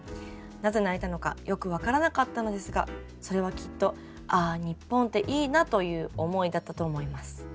なぜ泣いたのかよく分からなかったのですがそれはきっとああ日本っていいなという思いだったと思います。